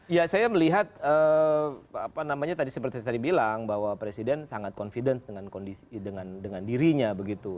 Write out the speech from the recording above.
ya saya melihat apa namanya tadi seperti tadi bilang bahwa presiden sangat confidence dengan dirinya begitu